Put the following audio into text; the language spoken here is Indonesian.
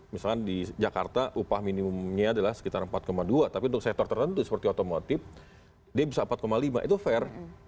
misalnya di jakarta upah minimumnya adalah sekitar empat dua tapi untuk sektor tertentu seperti otomotif dia bisa empat lima itu fair